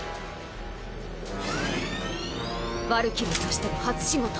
ヴァルキリーとしての初仕事。